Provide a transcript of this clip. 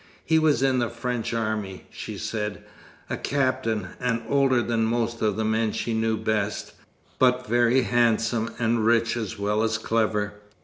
He was in the French army, she said, a captain, and older than most of the men she knew best, but very handsome, and rich as well as clever.